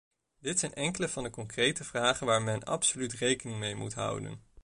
Dit zijn enkele van de concrete vragen waar men absoluut rekening mee moet houden.